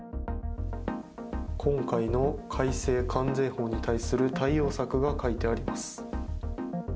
今回の改正関税法に対する対応策が書いてあります。